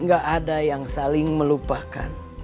gak ada yang saling melupakan